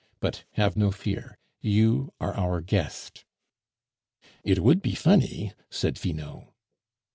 But have no fear, you are our guest." "It would be funny," said Finot.